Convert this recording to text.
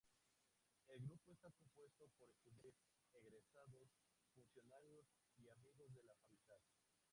El grupo está compuesto por estudiantes, egresados, funcionarios y amigos de la facultad.